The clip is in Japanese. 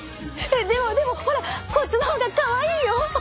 でもでもほらこっちの方がかわいいよ！